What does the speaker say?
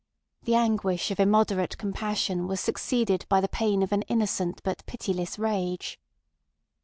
The anguish of immoderate compassion was succeeded by the pain of an innocent but pitiless rage.